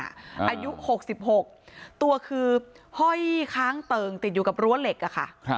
อายุ๖๖ตัวคือห้อยค้างเติ่งติดอยู่กับรั้วเหล็กอะค่ะ